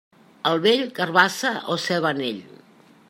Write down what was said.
Al vell, carabassa o ceba en ell.